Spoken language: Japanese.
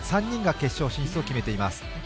３人が決勝進出を決めています。